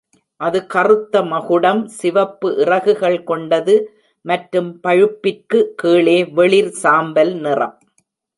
அது கறுத்த மகுடம், சிவப்பு இறகுகள் கொண்டது, மற்றும் பழுப்பிற்கு கீழே வெளிர் சாம்பல்நிறம்.